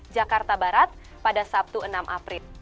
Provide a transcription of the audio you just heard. jakarta barat pada sabtu enam april